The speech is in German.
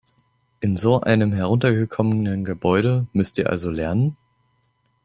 In so einem heruntergekommenen Gebäude müsst ihr also lernen?